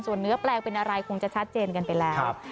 เนื้อแปลงเป็นอะไรคงจะชัดเจนกันไปแล้ว